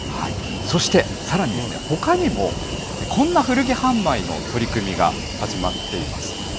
そして、さらにほかにも、こんな古着販売の取り組みが始まっています。